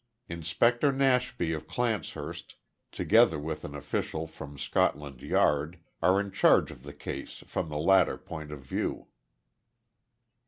Inspector Nashby of Clancehurst, together with an official from Scotland Yard are in charge of the case from the latter point of view."